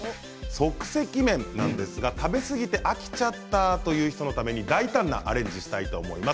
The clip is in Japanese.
即席麺なんですが食べ過ぎて飽きちゃったという人のために大胆なアレンジをしたいと思います。